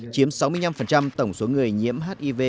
chiếm sáu mươi năm tổng số người nhiễm hiv